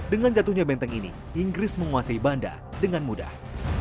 dengan jatuhnya benteng ini inggris menguasai banda dengan mudah